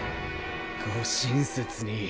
ご親切に。